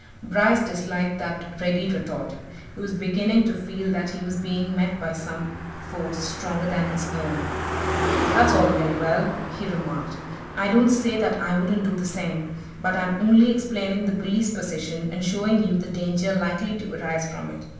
Bryce disliked that ready retort. He was beginning to feel that he was being met by some force stronger than his own. "That's all very well," he remarked. "I don't say that I wouldn't do the same. But I'm only explaining the police position, and showing you the danger likely to arise from it.